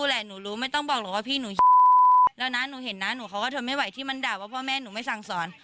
แล้วหน้าหนูเห็นหน้าหนูเขาก็ทำไม่ไหวที่มันด่าวว่าพ่อแม่หนูไม่สั่งสอน